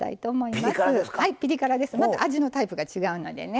また味のタイプが違うのでね。